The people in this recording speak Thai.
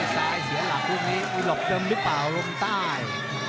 ซ้ายเสียหลับรุ่งนี้วิล็อกเดิมหรือเปล่าลมใต้